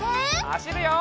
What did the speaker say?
はしるよ！